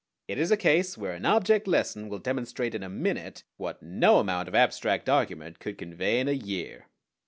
It is a case where an object lesson will demonstrate in a minute what no amount of abstract argument could convey in a year.